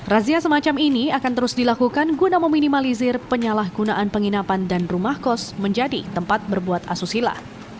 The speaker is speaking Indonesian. razia semacam ini akan terus dilakukan guna meminimalisir penyalahgunaan penginapan dan rumah kos menjadi tempat berbuat asusila